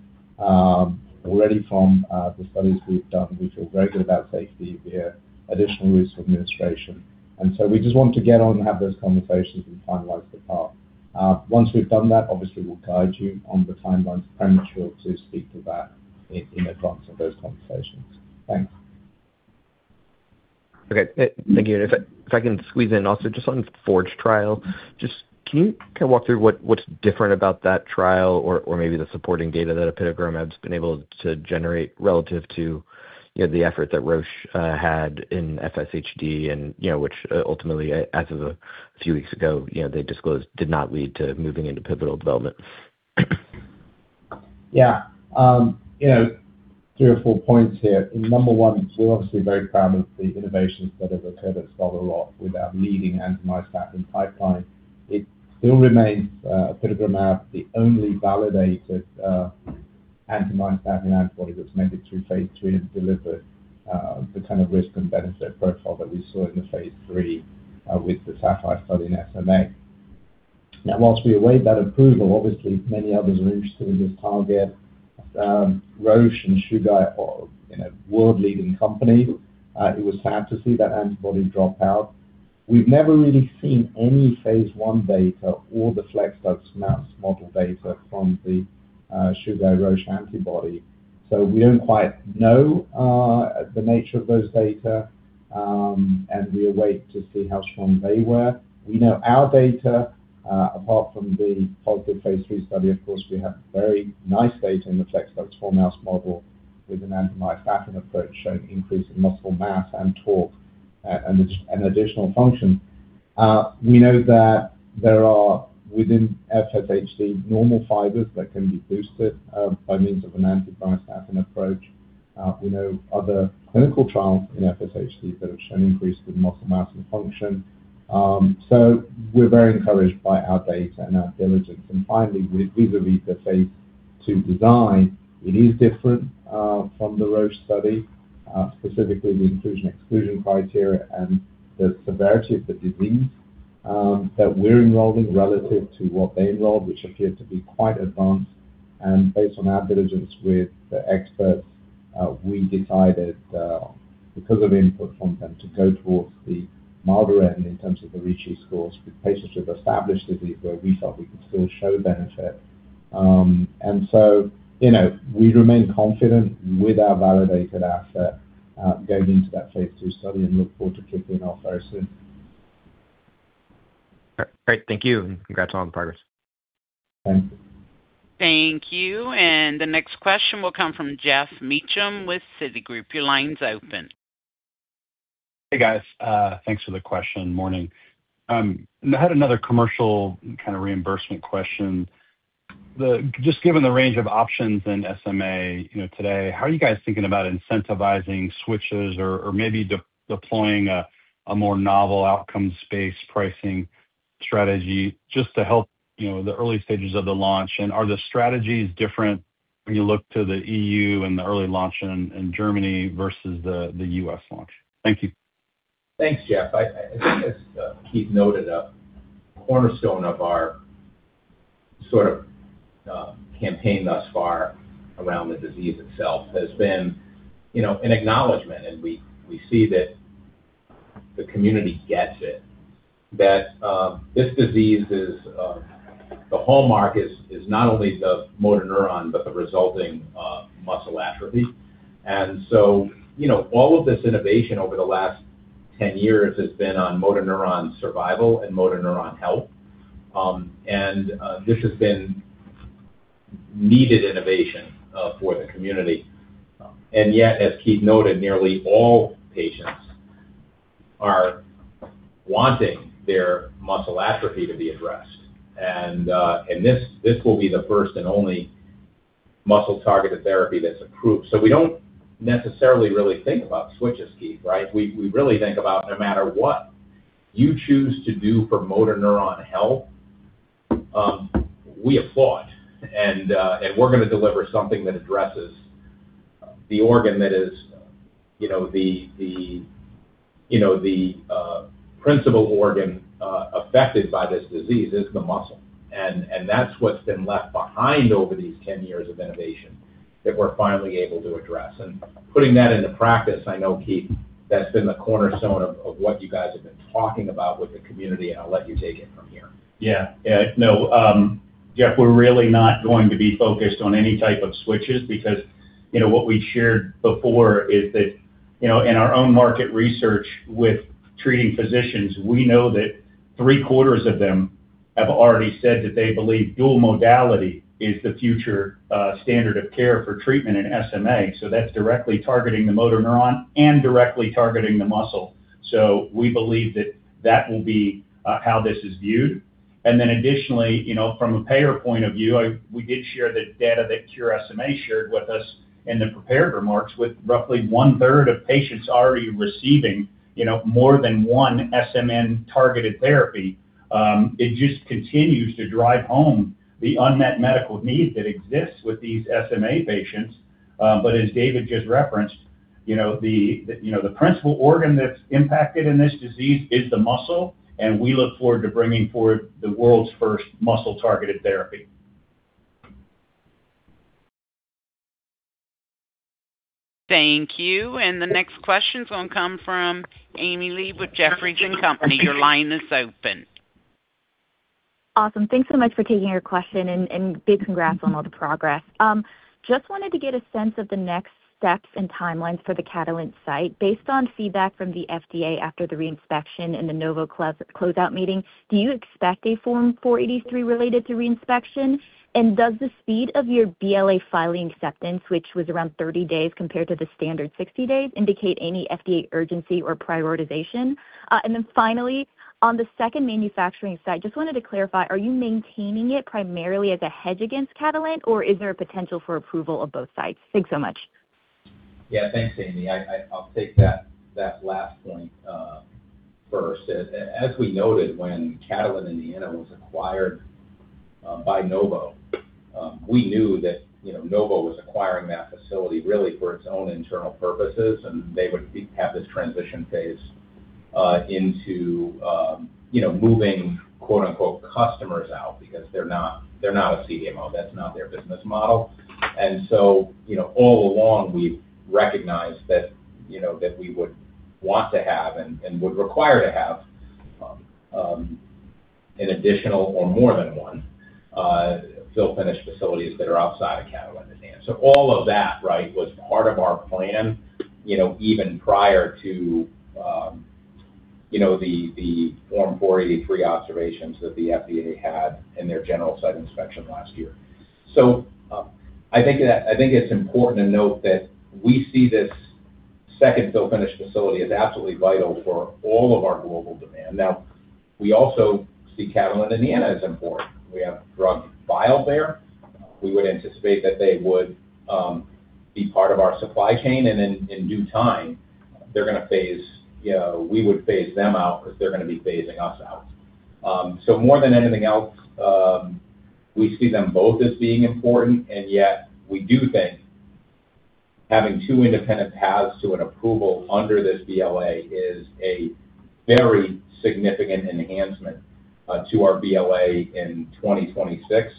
already from the studies we've done, we feel very good about safety via additional routes of administration. We just want to get on and have those conversations and finalize the path. Once we've done that, obviously, we'll guide you on the timelines. Premature to speak to that in advance of those conversations. Thanks. Okay. Thank you. If I can squeeze in also just on FORGE trial, can you kind of walk through what's different about that trial or maybe the supporting data that apitegromab's been able to generate relative to, you know, the effort that Roche had in FSHD and, you know, which ultimately, as of a few weeks ago, you know, they disclosed did not lead to moving into pivotal development? Yeah. You know, three or four points here. Number one, we're obviously very proud of the innovations that have occurred at Scholar Rock with our leading anti-myostatin pipeline. It still remains apitegromab, the only validated anti-myostatin antibody that's made it through phase II and delivered the kind of risk and benefit profile that we saw in the phase III with the SAPPHIRE study in SMA. Now, whilst we await that approval, obviously many others are interested in this target. Roche and Chugai are, you know, world-leading company. It was sad to see that antibody drop out. We've never really seen any phase I data or the FLExDUX4 mouse model data from the Chugai Roche antibody. We don't quite know the nature of those data, and we await to see how strong they were. We know our data, apart from the positive phase III study, of course, we have very nice data in the FLExDUX4 mouse model with an anti-myostatin approach showing increase in muscle mass and torque and additional function. We know that there are, within FSHD, normal fibers that can be boosted by means of an anti-myostatin approach. We know other clinical trials in FSHD that have shown increase with muscle mass and function. We're very encouraged by our data and our diligence. Finally, vis-a-vis the phase II design, it is different from the Roche study, specifically the inclusion, exclusion criteria and the severity of the disease that we're enrolling relative to what they enrolled, which appeared to be quite advanced. Based on our diligence with the experts, we decided, because of input from them, to go towards the milder end in terms of the Ricci scores with patients with established disease where we felt we could still show benefit. You know, we remain confident with our validated asset, going into that phase II study and look forward to kicking off very soon. Great. Thank you, and congrats on the progress. Thanks. Thank you. The next question will come from Geoff Meacham with Citigroup. Your line's open. Hey, guys. thanks for the question. Morning. I had another commercial kind of reimbursement question. Just given the range of options in SMA, you know, today, how are you guys thinking about incentivizing switches or maybe de-deploying a more novel outcome space pricing strategy just to help, you know, the early stages of the launch? Are the strategies different when you look to the EU and the early launch in Germany versus the U.S. launch? Thank you. Thanks, Geoff. I think as Keith noted, a cornerstone of our sort of campaign thus far around the disease itself has been, you know, an acknowledgment. We see that the community gets it, that this disease is not only the motor neuron, but the resulting muscle atrophy. You know, all of this innovation over the last 10 years has been on motor neuron survival and motor neuron health. This has been needed innovation for the community. Yet, as Keith noted, nearly all patients are wanting their muscle atrophy to be addressed. This will be the first and only muscle-targeted therapy that's approved. We don't necessarily really think about switches, Keith, right? We really think about no matter what you choose to do for motor neuron health, we applaud and we're gonna deliver something that addresses the organ that is, you know, the principal organ affected by this disease is the muscle. That's what's been left behind over these 10 years of innovation that we're finally able to address. Putting that into practice, I know, Keith, that's been the cornerstone of what you guys have been talking about with the community, and I'll let you take it from here. Yeah. Yeah. No, Geoff, we're really not going to be focused on any type of switches because, you know, what we shared before is that, you know, in our own market research with treating physicians, we know that Q3 of them have already said that they believe dual modality is the future standard of care for treatment in SMA. That's directly targeting the motor neuron and directly targeting the muscle. We believe that that will be how this is viewed. Additionally, you know, from a payer point of view, we did share the data that Cure SMA shared with us in the prepared remarks. With roughly one-third of patients already receiving, you know, more than one SMN-targeted therapy, it just continues to drive home the unmet medical need that exists with these SMA patients. As David just referenced, you know, the principal organ that's impacted in this disease is the muscle, and we look forward to bringing forward the world's first muscle-targeted therapy. Thank you. The next question is gonna come from Amy Lee with Jefferies. Your line is open. Awesome. Thanks so much for taking our question and big congrats on all the progress. Just wanted to get a sense of the next steps and timelines for the Catalent site. Based on feedback from the FDA after the reinspection and the Novo close-out meeting, do you expect a Form 483 related to reinspection? Does the speed of your BLA filing acceptance, which was around 30 days compared to the standard 60 days, indicate any FDA urgency or prioritization? Finally, on the second manufacturing site, just wanted to clarify, are you maintaining it primarily as a hedge against Catalent, or is there a potential for approval of both sites? Thanks so much. Yeah. Thanks, Amy. I'll take that last point first. As we noted when Catalent Indiana was acquired by Novo, we knew that Novo was acquiring that facility really for its own internal purposes, and they would have this transition phase into moving, quote-unquote, "customers out" because they're not, they're not a CDMO. That's not their business model. All along, we've recognized that we would want to have and would require to have an additional or more than one fill finish facilities that are outside of Catalent Indiana. All of that, right, was part of our plan even prior to the Form 483 observations that the FDA had in their general site inspection last year. I think that I think it's important to note that we see this second fill finish facility as absolutely vital for all of our global demand. We also see Catalent Indiana as important. We have drug files there. We would anticipate that they would be part of our supply chain. In due time, they're gonna phase, you know, we would phase them out as they're gonna be phasing us out. More than anything else, we see them both as being important, and yet we do think having two independent paths to an approval under this BLA is a very significant enhancement to our BLA in 2026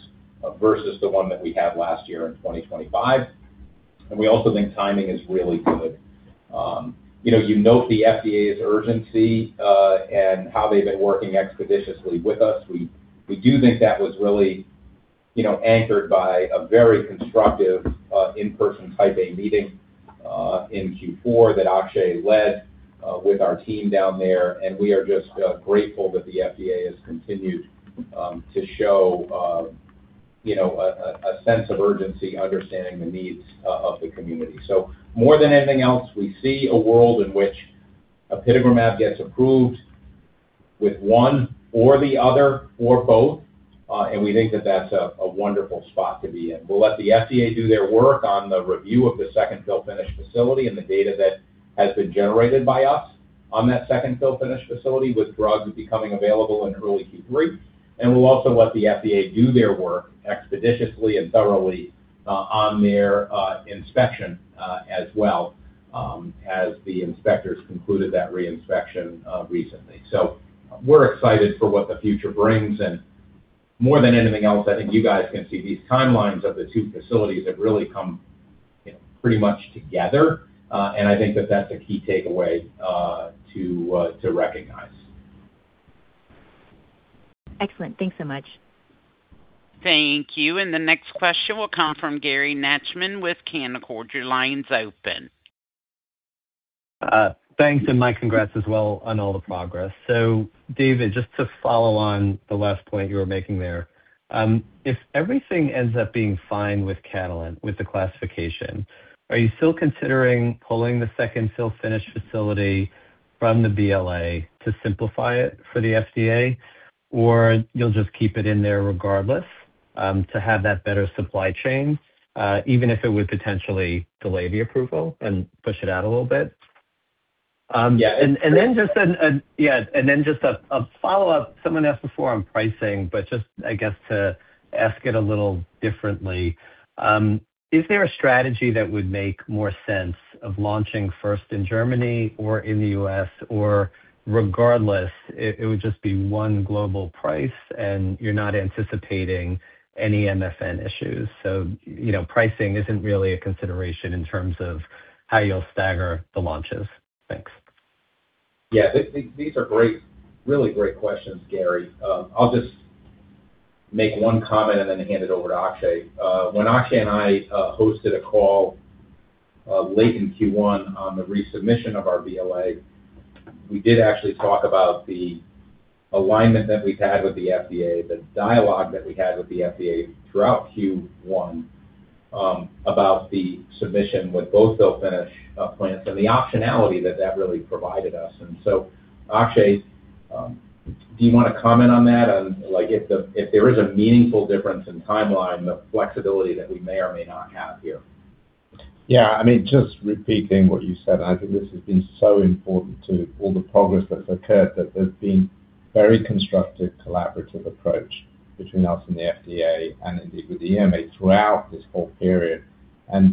versus the one that we had last year in 2025. We also think timing is really good. You know, you note the FDA's urgency, and how they've been working expeditiously with us. We do think that was really, you know, anchored by a very constructive, in-person Type A meeting in Q4 that Akshay led with our team down there. We are just grateful that the FDA has continued to show, you know, a sense of urgency understanding the needs of the community. More than anything else, we see a world in which upadacitabine gets approved with one or the other or both. We think that that's a wonderful spot to be in. We'll let the FDA do their work on the review of the second fill finish facility and the data that has been generated by us on that second fill finish facility with drugs becoming available in early Q3. We'll also let the FDA do their work expeditiously and thoroughly on their inspection as well, as the inspectors concluded that re-inspection recently. We're excited for what the future brings. More than anything else, I think you guys can see these timelines of the two facilities have really come, you know, pretty much together. I think that that's a key takeaway to recognize. Excellent. Thanks so much. Thank you. The next question will come from Gary Nachman with Canaccord Genuity. Your line's open. thanks, and my congrats as well on all the progress. David, just to follow on the last point you were making there, if everything ends up being fine with Catalent, with the classification, are you still considering pulling the second fill finish facility from the BLA to simplify it for the FDA? You'll just keep it in there regardless, to have that better supply chain, even if it would potentially delay the approval and push it out a little bit? Yeah. Then just a follow-up. Someone asked before on pricing, but just I guess to ask it a little differently, is there a strategy that would make more sense of launching first in Germany or in the U.S., or regardless, it would just be one global price and you're not anticipating any MFN issues? You know, pricing isn't really a consideration in terms of how you'll stagger the launches. Thanks. Yeah. These are great, really great questions, Gary. I'll just make one comment and then hand it over to Akshay. When Akshay and I hosted a call late in Q1 on the resubmission of our BLA, we did actually talk about the alignment that we've had with the FDA, the dialogue that we had with the FDA throughout Q1 about the submission with both fill finish plants and the optionality that that really provided us. Akshay, do you wanna comment on that? On like if the, if there is a meaningful difference in timeline, the flexibility that we may or may not have here? Yeah, I mean, just repeating what you said, I think this has been so important to all the progress that's occurred, that there's been very constructive, collaborative approach between us and the FDA and indeed with the EMA throughout this whole period.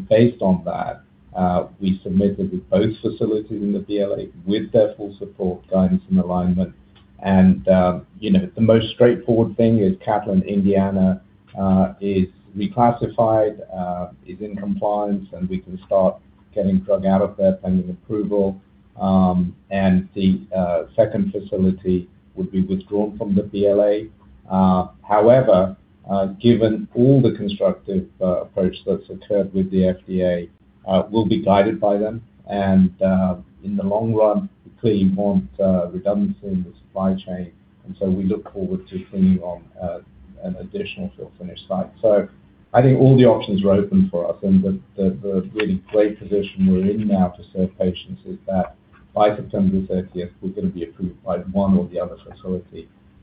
Based on that, we submitted with both facilities in the BLA with their full support, guidance and alignment. You know, the most straightforward thing is Catalent Indiana is reclassified, is in compliance, and we can start getting drug out of there pending approval. The second facility would be withdrawn from the BLA. However, given all the constructive approach that's occurred with the FDA, we'll be guided by them. In the long run, clearly you want redundancy in the supply chain, we look forward to bringing on an additional fill finish site. I think all the options are open for us. The really great position we're in now to serve patients is that by September 30th, we're gonna be approved by one or the other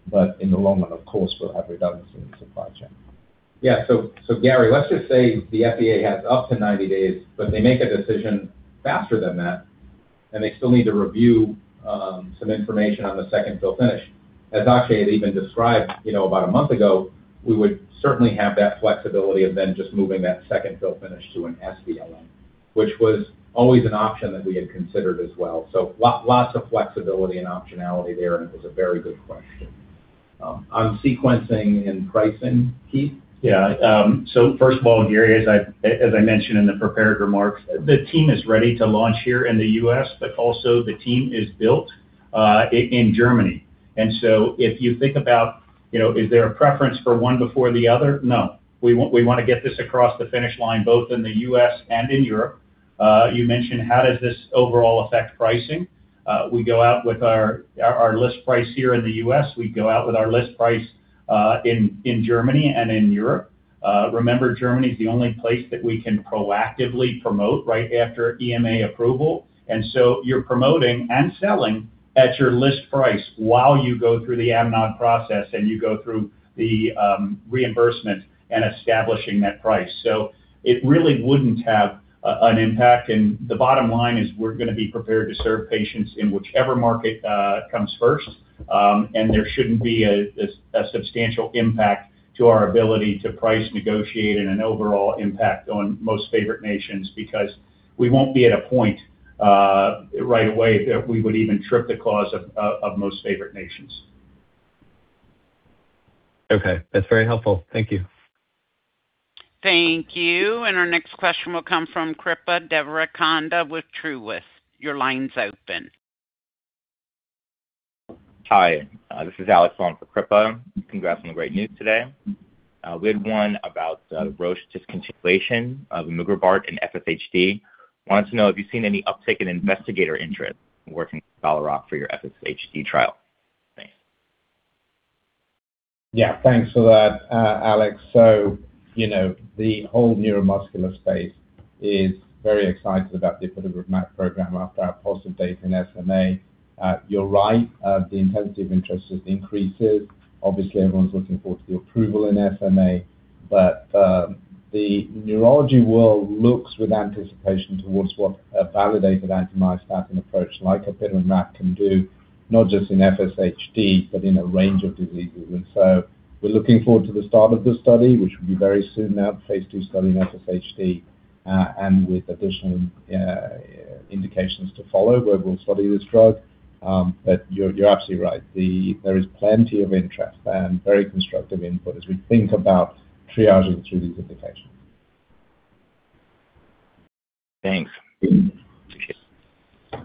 facility. In the long run, of course, we'll have redundancy in the supply chain. Yeah. Gary, let's just say the FDA has up to 90 days, but they make a decision faster than that, and they still need to review some information on the second fill finish. As Akshay had even described, you know, about a month ago, we would certainly have that flexibility of then just moving that second fill finish to an sBLA, which was always an option that we had considered as well. Lots of flexibility and optionality there, and it was a very good question. On sequencing and pricing, Keith? Yeah. First of all, Gary, as I mentioned in the prepared remarks, the team is ready to launch here in the U.S., also the team is built in Germany. If you think about, you know, is there a preference for one before the other? No. We wanna get this across the finish line both in the U.S. and in Europe. You mentioned how does this overall affect pricing? We go out with our list price here in the U.S. We go out with our list price in Germany and in Europe. Remember Germany is the only place that we can proactively promote right after EMA approval. You're promoting and selling at your list price while you go through the AMNOG process and you go through the reimbursement and establishing that price. It really wouldn't have an impact. The bottom line is we're gonna be prepared to serve patients in whichever market comes first. There shouldn't be a substantial impact to our ability to price negotiate and an overall impact on most favored nations because we won't be at a point right away that we would even trip the clause of most favored nations. Okay. That's very helpful. Thank you. Thank you. Our next question will come from Srikripa Devarakonda with Truist. Your line's open. Hi, this is Alex calling for Srikripa. Congrats on the great news today. We had one about Roche discontinuation of emugrobart in FSHD. Wanted to know if you've seen any uptick in investigator interest working apitegromab for your FSHD trial. Thanks. Yeah, thanks for that, Alex. You know, the whole neuromuscular space is very excited about the apitegromab program after our positive data in SMA. You're right. The intensity of interest has increases. Obviously, everyone's looking forward to the approval in SMA. The neurology world looks with anticipation towards what a validated anti-myostatin approach like apitegromab can do, not just in FSHD, but in a range of diseases. We're looking forward to the start of the study, which will be very soon now, phase II study in FSHD, and with additional indications to follow where we'll study this drug. You're, you're absolutely right. There is plenty of interest and very constructive input as we think about triaging through these indications. Thanks. Appreciate it.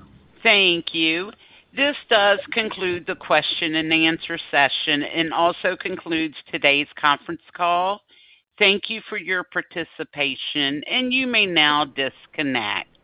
Thank you. This does conclude the question and answer session and also concludes today's conference call. Thank you for your participation, and you may now disconnect.